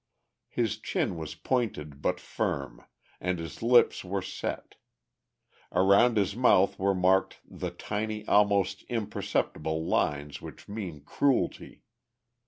His chin was pointed but firm, and his lips were set; around his mouth were marked the tiny, almost imperceptible lines which mean cruelty.